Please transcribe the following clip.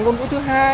ngôn vũ thứ hai